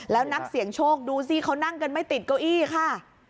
แล้วนักเสี่ยงโชคดูสิเขานั่งกันไม่ติดเก้าอี้ค่ะ